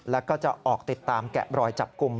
แล้วก็จะออกติดตามแกะบรอยจับกลุ่ม